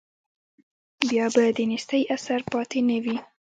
بیا به د نیستۍ اثر پاتې نه وي.